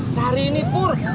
sehari ini purr